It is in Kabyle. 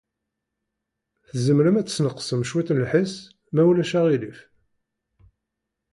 Tzemrem ad tesneqsem cwiṭ n lḥess, ma ulac aɣilif?